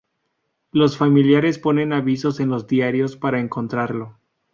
Los familiares ponen avisos en los diarios para encontrarlo.